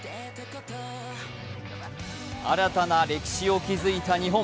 新たな歴史を築いた日本。